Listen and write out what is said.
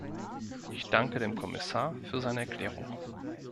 Ich danke dem Kommissar für seine Erklärung.